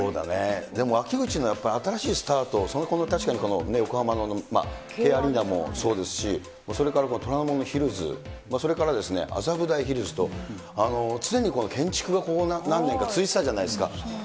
でも秋口のやっぱり、新しいスタート、そこも確かに、横浜のＫアリーナもそうですし、それから虎ノ門ヒルズ、それから麻布台ヒルズと、常に建築がここ何年か続いてたじゃないですか。